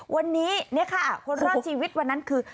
วันนี้คนรอดชีวิตวันนั้นคือ